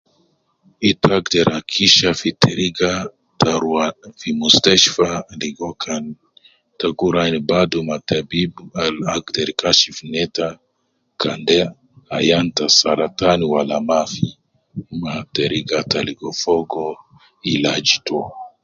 Ita agder hakikisha fi teriga ta rua fi mustashtfa ligo kan ta gi rua ayin badu ma tabib al agder Kashif neta kan de ayan ta saratan Wala mafi ma teriga ta ligo fogo ilaj to